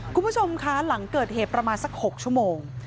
คุณผู้ชมคะหลังเกิดเหตุประมาณสัก๖ชั่วโมง